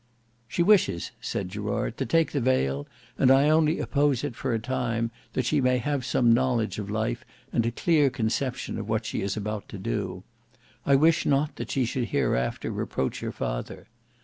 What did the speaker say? "She wishes," said Gerard, "to take the veil, and I only oppose it for a time, that she may have some knowledge of life and a clear conception of what she is about to do. I wish not that she should hereafter reproach her father.